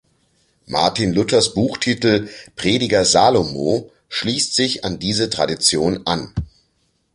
Martin Luthers Buchtitel „Prediger Salomo“ schließt sich an diese Tradition an.